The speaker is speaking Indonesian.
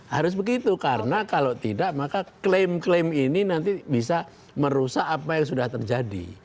harus begitu karena kalau tidak maka klaim klaim ini nanti bisa merusak apa yang sudah terjadi